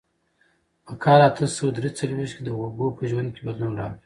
په کال اته سوه درې څلوېښت کې د هوګو په ژوند کې بدلون راغی.